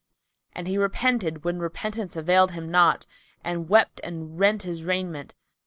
'" And he repented when repentance availed him naught, and wept and rent his raiment.